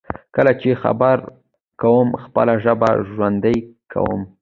کله چې خبرې کوم، خپله ژبه ژوندی کوم.